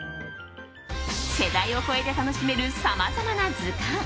世代を超えて楽しめるさまざまな図鑑。